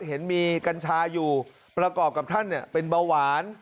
เห็นมีกัญชาอยู่ประกอบกับท่านเป็นเบาหวาน